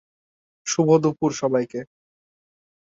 শুভ দুপুর, সবাইকে!